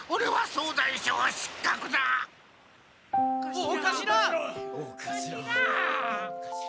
おかしら。